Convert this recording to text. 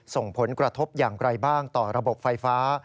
ส่งผลกระทบอย่างไรบ้างต่อระบบไฟฟ้า